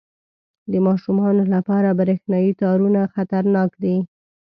• د ماشومانو لپاره برېښنايي تارونه خطرناک دي.